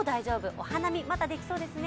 お花見まだできそうですね。